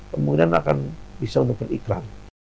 kemudian akan bisa untuk beriklan